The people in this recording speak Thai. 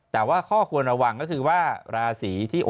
แต่ว่าข้อควรระวังก็คือว่าราศีที่